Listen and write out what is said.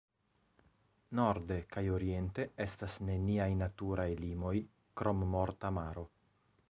Norde kaj oriente estas neniaj naturaj limoj, krom Morta Maro.